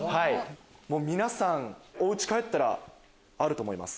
皆さんお家帰ったらあると思います。